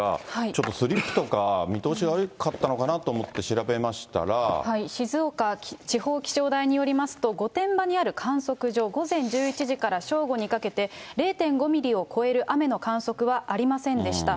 ちょっとスリップとか見通しが悪かったのかなと思って調べました静岡地方気象台によりますと、御殿場にある観測所、午前１１時から正午にかけて０．５ミリを超える雨の観測はありませんでした。